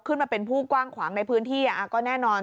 ขึ้นมาเป็นผู้กว้างขวางในพื้นที่ก็แน่นอน